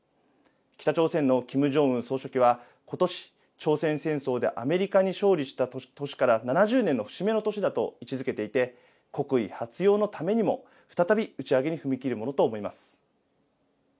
北朝鮮のキム・ジョンウン総書記はことし、朝鮮戦争でアメリカに勝利した年から７０年の節目の年だと位置づけていて、国威発揚のためにも、再び打ち上げに踏み切るものと見られます。